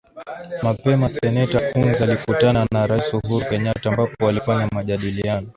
Mapema seneta Coons alikutana na rais Uhuru Kenyatta ambapo walifanya majadiliano